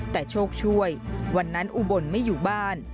แต่โชคช่วยวันนั้นอุบลไม่อยู่บ้าน